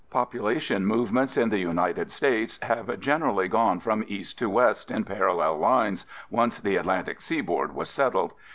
Population movements in the United States have generally gone from East to West in parallel lines, once the Atlantic seaboard was settled.